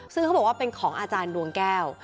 ซึ่งเขาบอกว่าเป็นของอาจารย์ดวงแก้ว